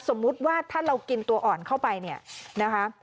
สมมุติว่าถ้าเรากินตัวอ่อนเข้าไปเนี่ยนะคะ